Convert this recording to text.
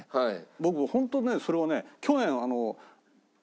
僕ホントねそれはね。